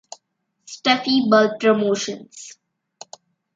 Steffy Bull Promotions.